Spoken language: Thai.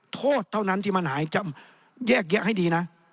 โทษเท่านั้นที่มันหายจะแยกแยะให้ดีนะ